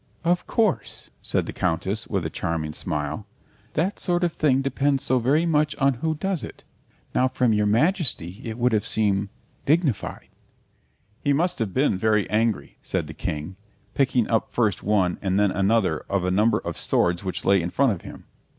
"Of course," said the Countess, with a charming smile, "that sort of thing depends so very much on who does it. Now from your Majesty it would have seemed dignified." "He must have been very angry," said the King, picking up first one and then another of a number of swords which lay in front of him.